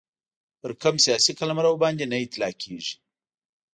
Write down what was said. پر کوم سیاسي قلمرو باندي نه اطلاقیږي.